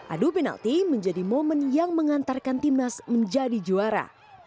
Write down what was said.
adu penalti menjadi momen yang mengantarkan timnas menjadi juara